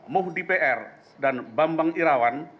muh dpr dan bambang irawan